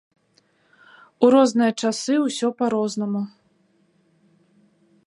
У розныя часы ўсё па-рознаму.